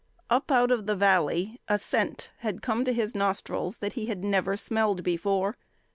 Up out of the valley a scent had come to his nostrils that he had never smelled before.